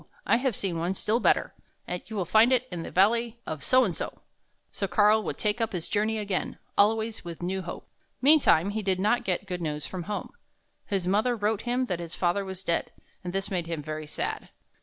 I have seen one still better ; you will find it in the Valley of So and so." So Karl would take up his journey again, always with new hope. Meantime he did not get good news from home. 54 THE HUNT FOR THE BEAUTIFUL His mother wrote him that his father was dead, and this made him very sad.